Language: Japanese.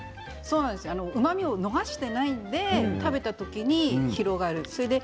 うまみを逃していないので食べた時に広がる。